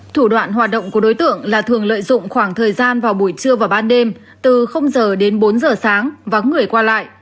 thủ đoạn hoạt động của đối tượng là thường lợi dụng khoảng thời gian vào buổi trưa và ban đêm từ giờ đến bốn giờ sáng vắng người qua lại